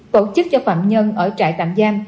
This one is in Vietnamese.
tổ chức cho phạm nhân ở trại tạm giam